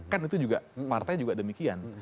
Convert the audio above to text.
kan itu juga partai juga demikian